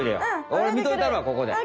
おれみといたるわここで。